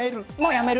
やめる。